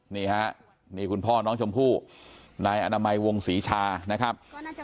นี่ฮะนี่คุณพ่อน้องชมพู่นายอนามัยวงศรีชานะครับ